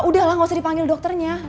udah lah gak usah dipanggil dokternya